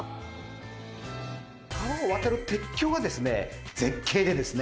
川を渡る鉄橋がですね絶景でですね